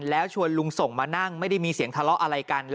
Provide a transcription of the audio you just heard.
แล้วชวนลุงส่งมานั่งไม่ได้มีเสียงทะเลาะอะไรกัน